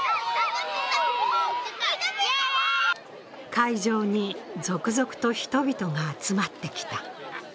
会場に続々と人々が集まってきた。